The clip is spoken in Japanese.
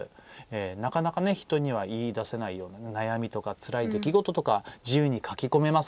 なかなか人には言い出せないような悩みとかつらい出来事とかを自由に書き込めます。